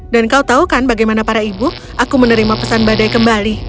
dan kau tahu kan bagaimana para ibu aku menerima pesan badai kembali